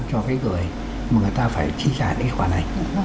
cho cái người mà người ta phải chi trả cái khoản này